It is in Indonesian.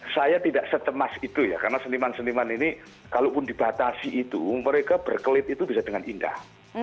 saya tidak secemas itu ya karena seniman seniman ini kalaupun dibatasi itu mereka berkelit itu bisa dengan indah